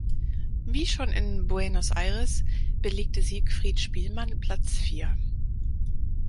Wie schon in Buenos Aires belegte Siegfried Spielmann Platz vier.